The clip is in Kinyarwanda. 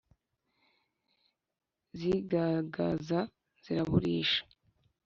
sigagaza ziraburisha